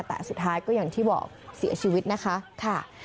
แต่สุดท้ายก็อย่างที่บอกเสียชีวิตนะคะค่ะ